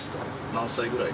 何歳ぐらい？